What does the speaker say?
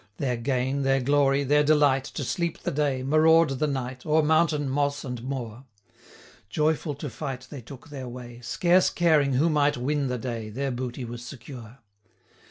Their gain, their glory, their delight, 80 To sleep the day, maraud the night, O'er mountain, moss, and moor; Joyful to fight they took their way, Scarce caring who might win the day, Their booty was secure.